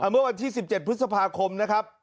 เมื่อวันที่๑๗พฤษภาคมนะครับ